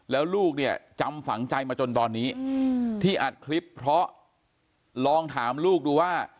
แล้วลูกเนี่ยจำฝังใจมาจนตอนนี้ที่อัดคลิปเพราะลองถามลูกดูว่า